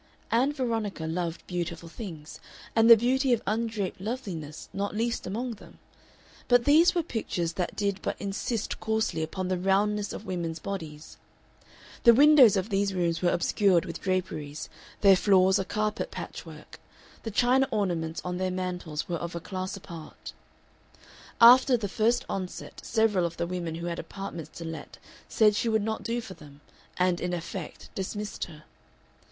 Ann Veronica loved beautiful things, and the beauty of undraped loveliness not least among them; but these were pictures that did but insist coarsely upon the roundness of women's bodies. The windows of these rooms were obscured with draperies, their floors a carpet patchwork; the china ornaments on their mantels were of a class apart. After the first onset several of the women who had apartments to let said she would not do for them, and in effect dismissed her.